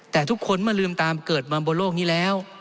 แต่ทุกคนเมื่อลืมตามเกิดมาบนโลกนี้แล้ว